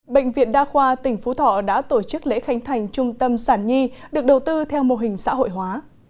bệnh viện đa khoa tỉnh phú thọ đã tổ chức lễ khánh thành trung tâm sản nhi được đầu tư theo mô hình xã hội hóa